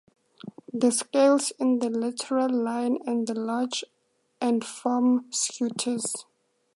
The scales in the lateral line and large and form scutes.